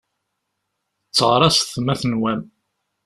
Tteɣraṣet ma tenwam.